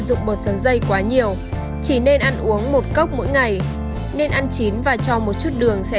uống bột sáng dây quá nhiều chỉ nên ăn uống một cốc mỗi ngày nên ăn chín và cho một chút đường sẽ